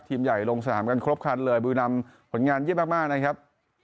ทีมใหญ่ลงสถานการณ์ครบคันเลยบุญนำผลงานเยี่ยมมากนะครับ